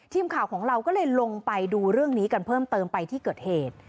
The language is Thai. ทีมข่าวของเราก็เลยลงไปดูเรื่องนี้กันเพิ่มเติมไปที่เกิดเหตุ